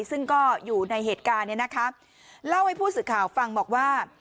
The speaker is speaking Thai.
ซึ่งก็อยู่ในเหตุการณ์เนี่ยนะคะเล่าให้ผู้สื่อข่าวฟังบอกว่า